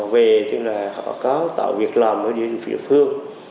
về tức là họ có tội việc lầm ở địa phương